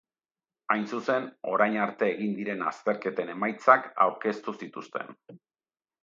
Hain zuzen, orain arte egin diren azterketen emaitzak aurkeztu zituzten.